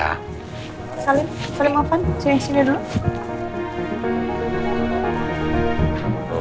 salim salim maafan sini sini dulu